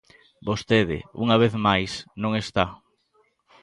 Vostede, unha vez máis, non está.